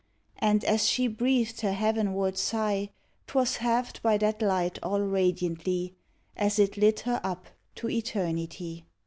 And as she breathed her heavenward sigh, 'Twas halved by that light all radiently, As it lit her up to eternity.